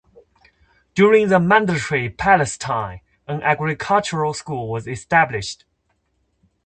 During the Mandatory Palestine, an agricultural school was established.